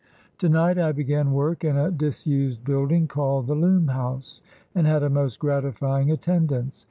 To night I began work in a disused building called the Loom house, and had a most gratifying attendance.